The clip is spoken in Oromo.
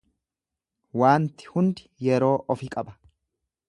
Waanti hundi yeroo ofi qaba.